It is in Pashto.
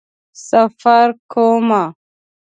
سفر کومه